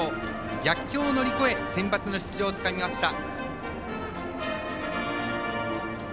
逆境を乗り越えセンバツの出場をつかみました。